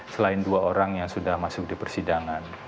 selain dua orang yang sudah masuk di persidangan